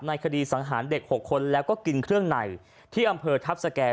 คดีสังหารเด็ก๖คนแล้วก็กินเครื่องในที่อำเภอทัพสแก่